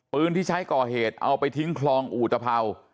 ปืนที่ใช้ก่อเหตุเอาไปทิ้งคลองอุตภัว